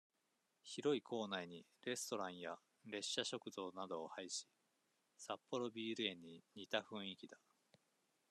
広い構内に、レストランや、列車食堂などを配し、札幌ビール園に似た雰囲気だ。